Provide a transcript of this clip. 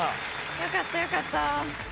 よかったよかった。